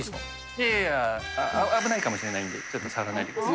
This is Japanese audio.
いやいやいや、危ないかもしれないんで、ちょっと触らないでください。